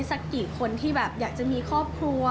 สักกี่คนที่แบบอยากจะมีครอบครัว